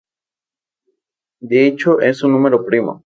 De hecho es un número primo.